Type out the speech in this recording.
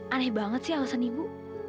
aneh banget sih alasan ibu